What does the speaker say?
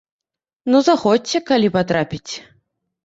Ну, заходзьце, калі патрапіце.